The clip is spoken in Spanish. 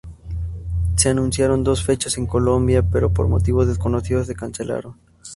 Se anunciaron dos fechas en Colombia, pero por motivos desconocidos se cancelaron.